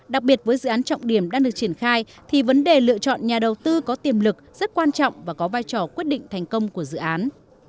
đặc biệt với dự án trọng điểm đang được triển khai thì vấn đề lựa chọn nhà đầu tư có tiềm lực rất quan trọng và có vai trò quyết định thành công của dự án